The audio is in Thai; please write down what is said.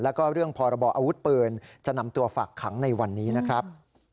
แล้วก็เรื่องพรบออาวุธปืนจะนำตัวฝากขังในวันนี้นะครับ